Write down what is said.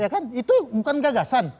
ya kan itu bukan gagasan